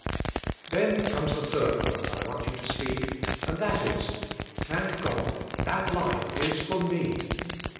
Then comes the third word I want yow to speak and that is: "Thank God, that life is for me."